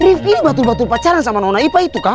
rifki ini batul batul pacaran sama nona ipa itu kah